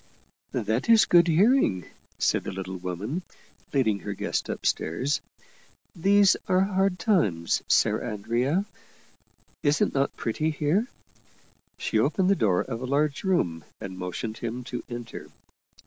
" That is good hearing," said the little woman, leading her guest upstairs. " These are hard times, Ser Andrea. Is it not pretty here ?" She opened the door of a large room and motioned him to enter.